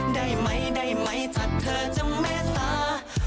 ได้ไหมได้ไหมจัดเธอจำแม่ตา